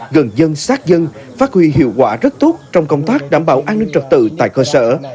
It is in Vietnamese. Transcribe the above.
gần dân sát dân phát huy hiệu quả rất tốt trong công tác đảm bảo an ninh trật tự tại cơ sở